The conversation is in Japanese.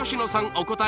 お答え